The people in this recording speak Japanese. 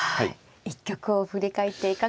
一局を振り返っていかがでしたでしょうか。